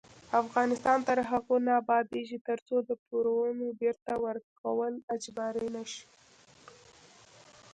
افغانستان تر هغو نه ابادیږي، ترڅو د پورونو بیرته ورکول اجباري نشي.